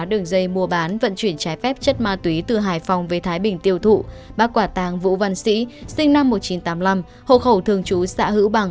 trái phép chất ma túy từ hải phòng về thái bình tiêu thụ bác quả tang vũ văn sĩ sinh năm một nghìn chín trăm tám mươi năm hộ khẩu thường trú xã hữu bằng